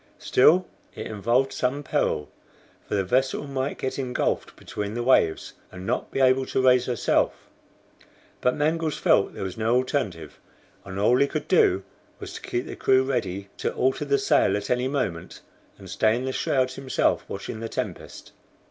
Still it involved some peril, for the vessel might get engulfed between the waves, and not be able to raise herself. But Mangles felt there was no alternative, and all he could do was to keep the crew ready to alter the sail at any moment, and stay in the shrouds himself watching the tempest.